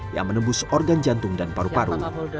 yang menembus organ jantung dan paru paru